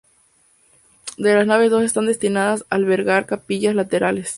De las naves dos están destinadas a albergar capillas laterales.